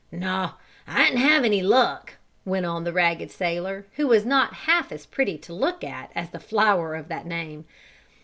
"No, I didn't have any luck," went on the ragged sailor, who was not half as pretty to look at as the flower of that name.